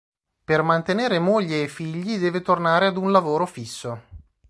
Per mantenere moglie e figli deve tornare ad un lavoro fisso.